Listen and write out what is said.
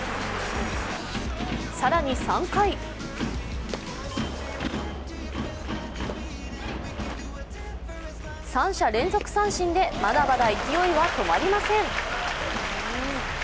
更に３回３者連続三振でまだまだ勢いは止まりません。